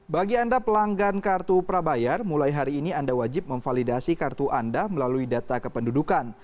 bagi anda pelanggan kartu prabayar mulai hari ini anda wajib memvalidasi kartu anda melalui data kependudukan